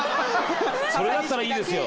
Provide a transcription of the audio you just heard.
それだったらいいですよ